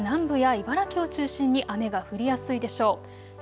朝から南部や茨城を中心に雨が降りやすいでしょう。